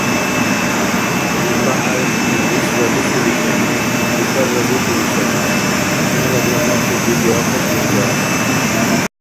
ГуглахӀяй бисра бисули саби, дукаррабирхӀули саби. Сунела дурхӀначиб диги ахъес бирули ахӀен.